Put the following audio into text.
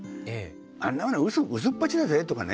あんなものはうそっぱちだぜとかね